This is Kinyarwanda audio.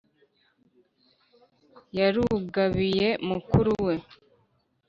Yarugabiye muku we